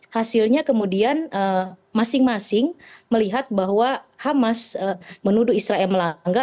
hasilnya kemudian masing masing melihat bahwa hamas menuduh israel melanggar